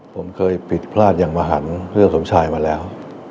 ผมเคยฝีนปิดนั่นอย่างมหาลสมชายมาแล้ว